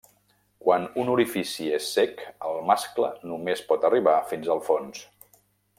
Quan un orifici és cec, el mascle només pot arribar fins al fons.